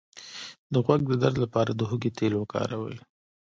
د غوږ د درد لپاره د هوږې تېل وکاروئ